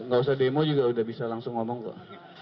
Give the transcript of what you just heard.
gak usah demo juga udah bisa langsung ngomong kok